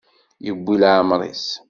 Yewwi leɛmer-is.